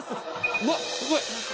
うわすごい！